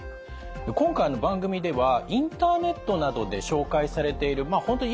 今回番組ではインターネットなどで紹介されている本当